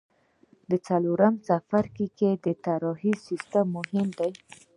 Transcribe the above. د څلورم څپرکي د اطراحي سیستم مهم دی.